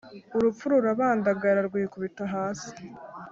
urupfu rurabandagara, rwikubita hasi